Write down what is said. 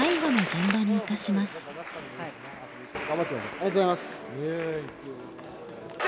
ありがとうございます。